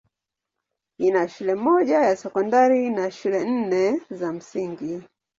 Ina shule moja ya sekondari na shule nne za msingi.